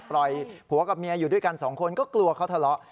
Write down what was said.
ปล่อยผัวกับเมียอยู่ด้วยกันสองคนก็กลัวเขาทะเลาะ